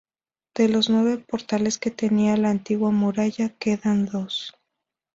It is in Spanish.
De los nueve portales que tenía la antigua muralla quedan dos.